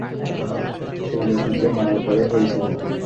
ত্রিলোকিকে মারার পরেই হয়েছিল।